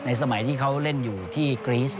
สมัยที่เขาเล่นอยู่ที่กรีส